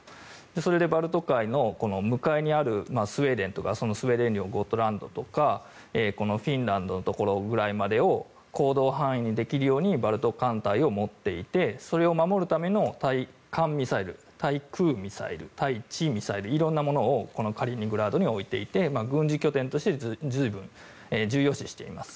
それでバルト海の向かいにあるスウェーデンとかスウェーデン領のゴットランドとかフィンランドのところぐらいまでを行動範囲にできるようにバルト艦隊を持っていてそれを守るための対艦ミサイル、対空ミサイル対地ミサイル、色んなものをカリーニングラードに置いていて軍事拠点として随分、重要視しています。